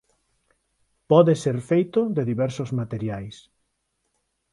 Pode ser feito de diversos materiais.